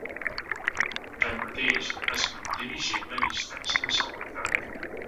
Tanmateix es manté vigent la distància de seguretat.